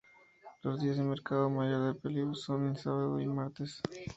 Los días de mercado mayor de Pelileo son el sábado y el martes.